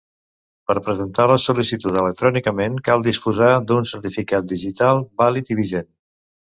Per presentar la sol·licitud electrònicament, cal disposar d'un certificat digital vàlid i vigent.